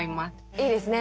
いいですね。